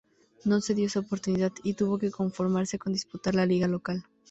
No se dio esa oportunidad y tuvo que conformarse con disputar la liga local.